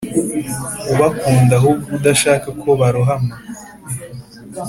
ubakunda ahubwo udasha ko barohama